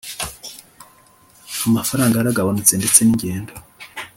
amafaranga yaragabanutse ndetse n’ingendo